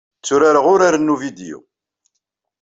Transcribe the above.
Tturareɣ uraren n uvidyu.